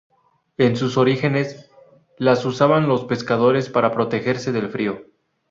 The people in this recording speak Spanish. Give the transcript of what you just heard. En sus orígenes, las usaban los pescadores para protegerse del frío.